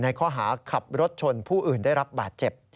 ข้อหาขับรถชนผู้อื่นได้รับบาดเจ็บ